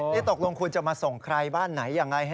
นี่ตกลงคุณจะมาส่งใครบ้านไหนยังไง